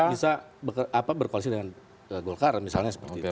bisa berkoalisi dengan golkar misalnya seperti itu